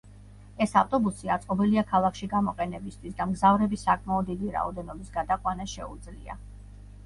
ეს ავტობუსი აწყობილია ქალაქში გამოყენებისთვის და მგზავრების საკმაოდ დიდი რაოდენობის გადაყვანა შეუძლია.